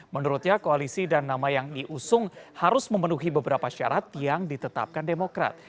menurutnya koalisi dan nama yang diusung harus memenuhi beberapa syarat yang ditetapkan demokrat